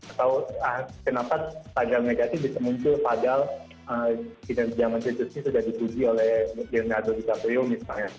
atau kenapa tagar negatif bisa muncul padahal di zaman menteri susi sudah dipuji oleh menteri nado di caprio misalnya